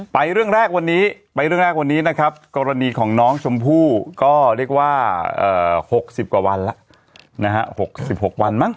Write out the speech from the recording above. เรื่องแรกวันนี้ไปเรื่องแรกวันนี้นะครับกรณีของน้องชมพู่ก็เรียกว่า๖๐กว่าวันแล้วนะฮะ๖๖วันมั้